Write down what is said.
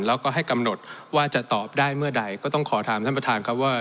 แล้วก็ให้กำหนดว่าจะตอบได้เมื่อใดก็ต้องขอถามท่านประธานครับว่า